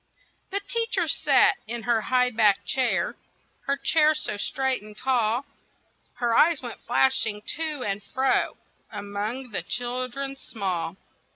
THE teacher sat in her high backed chair, Her chair so straight and tall; Her eyes went flashing to and fro Among the children small.